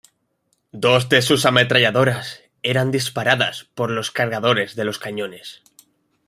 Dos de sus ametralladoras eran disparadas por los cargadores de los cañones.